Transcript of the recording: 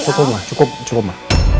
cukup cukup mama